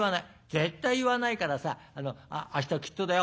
絶対言わないからさ明日きっとだよ」。